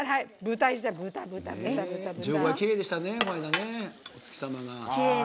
十五夜きれいでしたね、お月様。